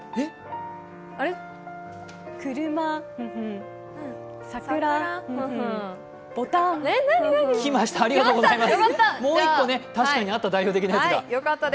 車○○、ぼたん○○きました、ありがとうございます。